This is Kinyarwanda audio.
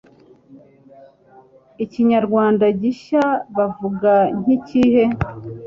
Ikinyarwanda gishya bavuga nkikihe